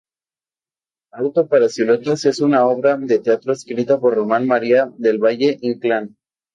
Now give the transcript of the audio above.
Auto para siluetas es una obra de teatro escrita por Ramón María del Valle-Inclán.